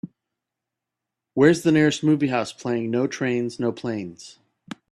where's the nearest movie house playing No Trains No Planes